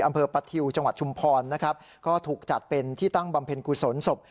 ประทิวจังหวัดชุมพรนะครับก็ถูกจัดเป็นที่ตั้งบำเพ็ญกุศลศพ